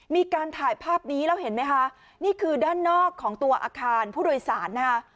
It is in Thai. มีการถ่ายภาพนี้แล้วเห็นไหมคะนี่คือด้านนอกของตัวอาคารผู้โดยสารนะคะ